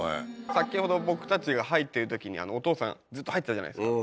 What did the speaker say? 先ほど僕たちが入ってる時におとうさんずっと入ってたじゃないですか。